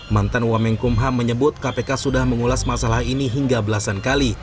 mantan wamenkumham menyebut kpk sudah mengulas masalah ini hingga belasan kali